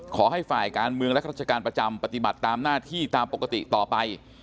ขอให้ฝ่ายการเมืองและราชการประจำปฏิบัติตามหน้าที่ตามปกติต่อไป